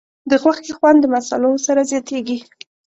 د غوښې خوند د مصالحو سره زیاتېږي.